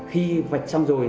khi vạch xong rồi